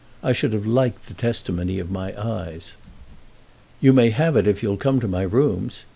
I should have liked the testimony of my eyes." "You may have it if you'll come to my rooms.